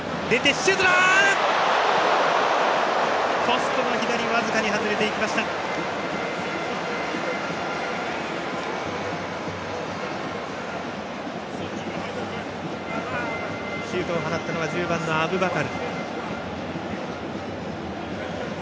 シュートを放ったのは１０番のアブバカル。